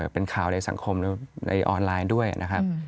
เป็นข่าวในสังคมในออนไลน์ด้วยนะครับ